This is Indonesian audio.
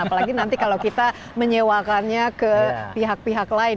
apalagi nanti kalau kita menyewakannya ke pihak pihak lain